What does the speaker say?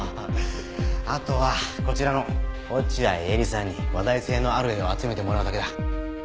あとはこちらの落合エリさんに話題性のある絵を集めてもらうだけだ。